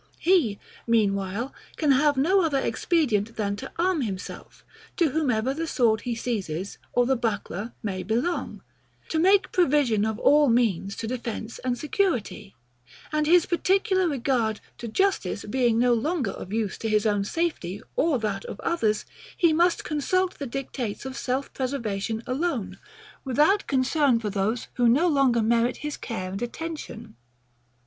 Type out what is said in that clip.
He, meanwhile, can have no other expedient than to arm himself, to whomever the sword he seizes, or the buckler, may belong: To make provision of all means of defence and security: And his particular regard to justice being no longer of use to his own safety or that of others, he must consult the dictates of self preservation alone, without concern for those who no longer merit his care and attention.